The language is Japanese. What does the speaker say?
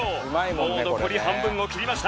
もう残り半分を切りました。